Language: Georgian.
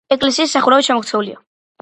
ეკლესიის სახურავი ჩამოქცეულია.